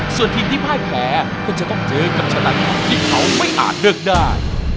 ส่วนทีมที่พ่ายแพ้ก็จะต้องเจอกับชนะทิพย์ที่เขาไม่อาจเลือกได้